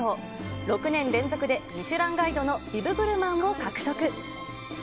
６年連続でミシュランガイドのビブグルマンを獲得。